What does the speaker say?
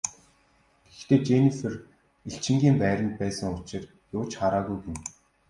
Гэхдээ Женнифер элчингийн байранд байсан учир юу ч хараагүй гэнэ.